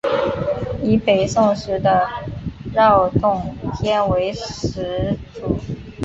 以北宋时的饶洞天为始祖。